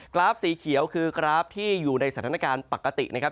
กราฟสีเขียวคือกราฟที่อยู่ในสถานการณ์ปกตินะครับ